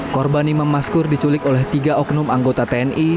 korban imam maskur diculik oleh tiga oknum anggota tni